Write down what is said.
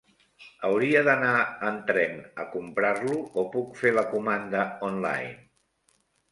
Hauria d'anar en tren a comprar-lo, o puc fer la comanda online?